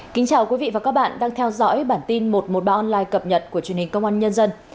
chào mừng quý vị đến với bản tin một trăm một mươi ba online cập nhật của truyền hình công an nhân dân